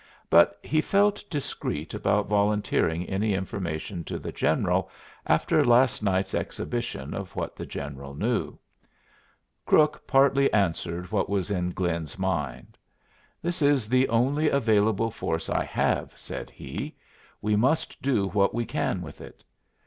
But he felt discreet about volunteering any information to the General after last night's exhibition of what the General knew. Crook partly answered what was in Glynn's mind. "This is the only available force I have," said he. "We must do what we can with it.